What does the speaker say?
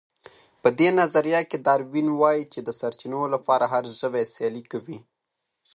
په دې نظريه کې داروېن وايي چې د سرچينو لپاره هر ژوی سيالي کوي.